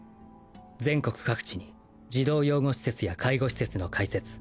全国各地に児童養護施設や介護施設の開設